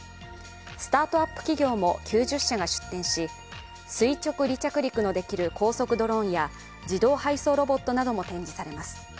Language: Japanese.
スタートアップ企業も９０社が出展し垂直離着陸のできる高速ドローンや自動配送ロボットなども展示されます。